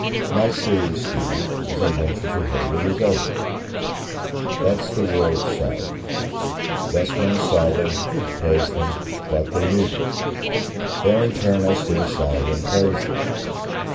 My serious duty, as I venture to hold it, is other; that's the world's side, Thus men saw them, praised them, thought they knew them! There, in turn, I stood aside and praised them!